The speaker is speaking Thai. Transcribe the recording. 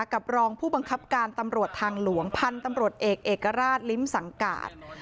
กับรองผู้บังคับการตำรวจทางหลวงพันธุ์ตำรวจเอกเอกราชลิ้มสังกาศ